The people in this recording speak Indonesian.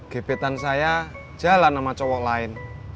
gepetan saya jalan sama cowok lain